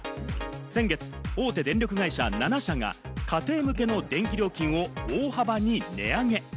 先月、大手電力会社７社が家庭向けの電気料金を大幅に値上げ。